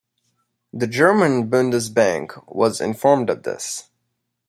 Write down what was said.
The German Bundesbank was informed of this.